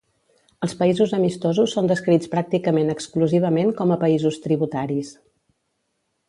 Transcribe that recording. Els països amistosos són descrits pràcticament exclusivament com a països tributaris.